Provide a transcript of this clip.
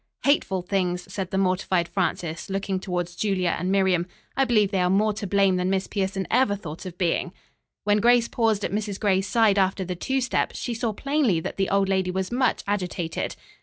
"Hateful things," said the mortified Frances, looking towards Julia and Miriam. "I believe they are more to blame than Miss Pierson ever thought of being." When Grace paused at Mrs. Gray's side after the two step, she saw plainly that the old lady was much agitated.